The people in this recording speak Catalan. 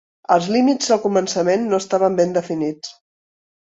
Els límits al començament no estaven ben definits.